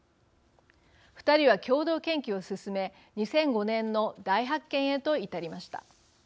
二人は共同研究を進め２００５年の大発見へと至りました。